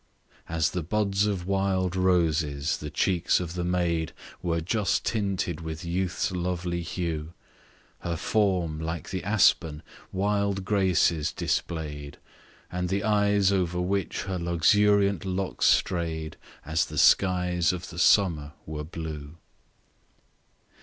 As the buds of wild roses, the cheeks of the maid Were just tinted with youth's lovely hue, Her form, like the aspen, wild graces display'd, And the eyes, over which her luxuriant locks stray'd, As the skies of the summer were blue.